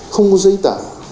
không có giấy tờ